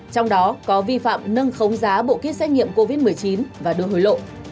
trong đó có vi phạm nâng khống giá bộ kit xét nghiệm covid một mươi chín và đưa hối lộ